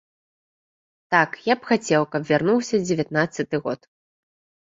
Так, я б хацеў, каб вярнуўся дзевятнаццаты год.